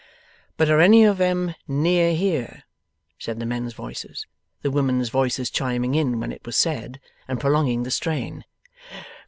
'But are any of 'em near here?' said the men's voices; the women's voices chiming in when it was said, and prolonging the strain.